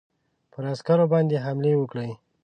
پر عسکرو باندي حملې وکړې.